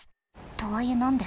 とはいえ何で？